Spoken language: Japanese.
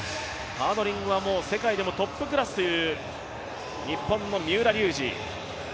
ハードリングは世界でもトップクラスという日本の三浦龍司。